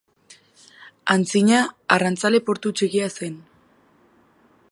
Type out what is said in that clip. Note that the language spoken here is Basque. Antzina arrantzale portu txikia zen.